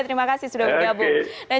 terima kasih sudah bergabung